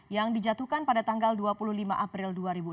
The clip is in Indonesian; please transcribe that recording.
yang dijatuhkan pada tanggal dua puluh lima april dua ribu enam belas